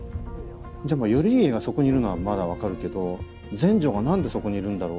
じゃあ頼家がそこにいるのはまだ分かるけど全成が何でそこにいるんだろう。